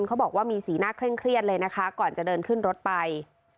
เขาบอกว่ามีสีหน้าเคร่งเครียดเลยนะคะก่อนจะเดินขึ้นรถไป